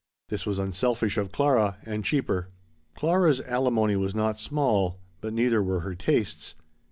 This was unselfish of Clara, and cheaper. Clara's alimony was not small, but neither were her tastes.